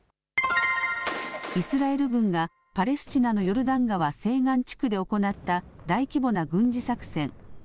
イスラエル軍がパレスチナのヨルダン川西岸地区で行った大規模な軍事作戦。